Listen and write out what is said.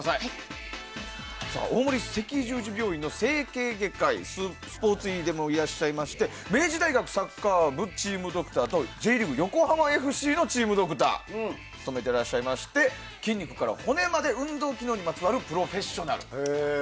大森赤十字病院の整形外科医スポーツ医でもいらっしゃいまして明治大学サッカー部チームドクターＪリーグ横浜ＦＣのチームドクターを務めていらっしゃいまして筋肉から骨まで運動機能にまつわるプロフェッショナルと。